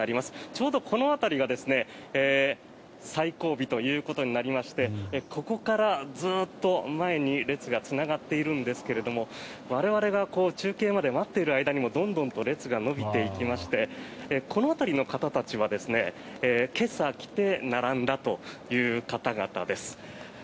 ちょうどこの辺りが最後尾ということになりましてここからずっと前に列がつながっているんですが我々が中継まで待っている間にもどんどんと列が伸びていきましてこの辺りの方たちは今朝来て並んだという方々です。